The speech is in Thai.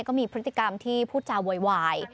ก็มีพฤติกรรมที่พูดจาโวยวาย